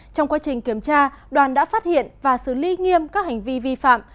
trong quá trình kiểm tra đoàn đã phát hiện và xử lý nghiêm các hành vi vi phạm